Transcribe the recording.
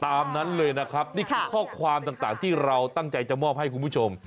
ตามนั้นเลยนะครับนี่คือข้อความต่างที่เราตั้งใจจะมอบให้คุณผู้ชม